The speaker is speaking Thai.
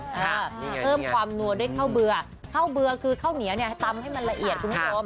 เพิ่มความนัวด้วยข้าวเบื่อข้าวเบื่อคือข้าวเหนียวเนี่ยตำให้มันละเอียดคุณผู้ชม